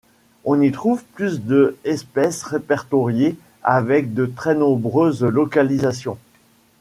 On y trouve plus de espèces répertoriées avec de très nombreuses localisations.